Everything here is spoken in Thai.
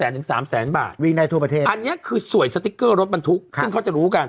๒๐๐๐๐๐ถึง๓๐๐๐๐๐บาทอันนี้คือสวยสติ๊กเกอร์รถบรรทุกซึ่งเขาจะรู้กัน